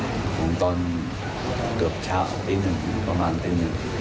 เขาก็เสียในช่วงของตอนเกือบเช้าปีหนึ่งเพราะมากแบบ๑ต้าน